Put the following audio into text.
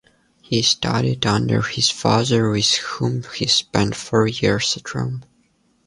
He studied under his father, with whom he spent four years at Rome.